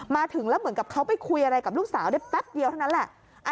มาถึงแล้วเหมือนกับเขาไปคุยอะไรกับลูกสาวได้แป๊บเดียวเท่านั้นแหละ